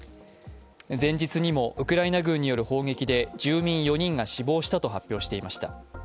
前日にもウクライナ軍による砲撃で住民４人が死亡したと発表していました。